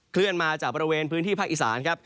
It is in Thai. เลื่อนมาจากบริเวณพื้นที่ภาคอีสานครับ